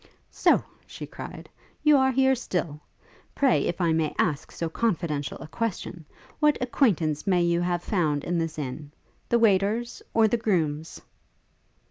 'So!' she cried, 'you are here still? Pray, if I may ask so confidential a question, what acquaintance may you have found in this inn? The waiters? or the grooms?'